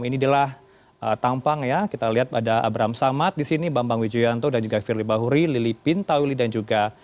ini adalah tampang kita lihat ada abram samad bambang wijuyanto firly bahuri lili pintauli dan juga